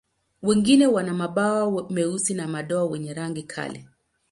Wengine wana mabawa meusi na madoa wenye rangi kali.